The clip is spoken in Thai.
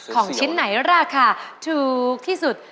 ของชิ้นไหนราคาถูกที่สุด